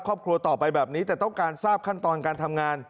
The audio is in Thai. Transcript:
ครอบครัวต่อไปแบบนี้แต่ต้องการทราบขั้นตอนการทำงาน